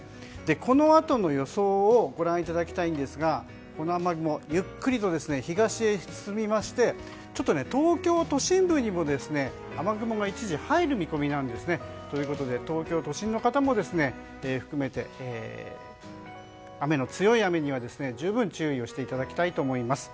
このあとの予想をご覧いただきたいんですが雨雲がゆっくりと東に進みまして東京都心部にも雨雲が一時、入る見込みでということで東京都心の方も強い雨には十分注意をしていただきたいと思います。